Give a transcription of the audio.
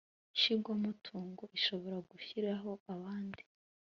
Nshingwamutungo ishobora gushyiraho abandi